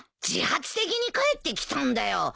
自発的に帰ってきたんだよ。